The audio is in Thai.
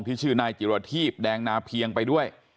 ที่ชื่อแน่จิระทีพแดงนะเพียงไปด้วย